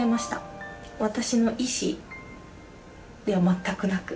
私の意志では全くなく。